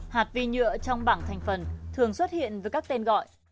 hạt vi nhựa trong bảng thành phần thường xuất hiện với các tên gọi